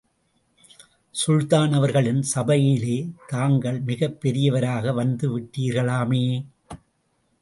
சுல்தான் அவர்களின் சபையிலே தாங்கள் மிகப் பெரியவராக வந்து விட்டீர்களாமே!